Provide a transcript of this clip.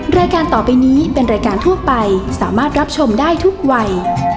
รายการต่อไปนี้เป็นรายการทั่วไปสามารถรับชมได้ทุกวัย